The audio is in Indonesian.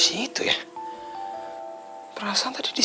saya gak bisa ketahuan despuésnya